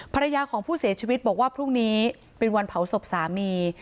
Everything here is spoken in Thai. ภรรยาของผู้เสียชีวิตบอกว่าพรุ่งนี้เป็นวันเผาศพสามี